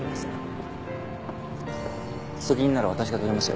責任なら私が取りますよ。